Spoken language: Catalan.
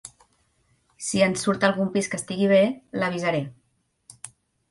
Si en surt algun pis que estigui bé, l'avisaré.